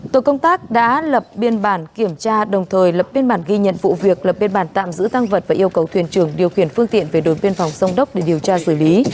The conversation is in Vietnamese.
tổ công tác đã lập biên bản kiểm tra đồng thời lập biên bản ghi nhận vụ việc lập biên bản tạm giữ tăng vật và yêu cầu thuyền trường điều khiển phương tiện về đồn biên phòng sông đốc để điều tra xử lý